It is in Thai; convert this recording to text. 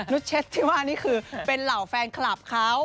เช็ดที่ว่านี่คือเป็นเหล่าแฟนคลับเขา